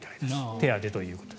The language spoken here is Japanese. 手当ということで。